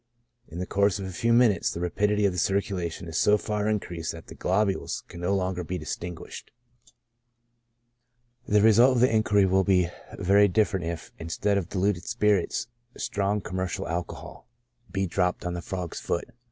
In the course of a i&vf minutes the rapidity of the circulation is so far increased that the globules can no longer be distinguished. b ON THE ACTION OF The result of the inquiry will be very different if, instead of diluted spirits, strong commercial alcohol (56 o. p.) be dropped on the frog's foot.